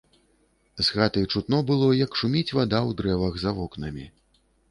З хаты чутно было, як шуміць вада ў дрэвах за вокнамі.